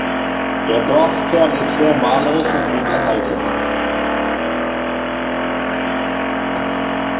Der Dorfkern ist sehr malerisch und gut erhalten.